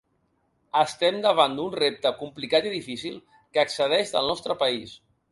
Estem davant un repte complicat i difícil que excedeix del nostre país.